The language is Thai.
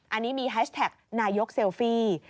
อันนี้มีแฮชแท็กนายกเซลฟี่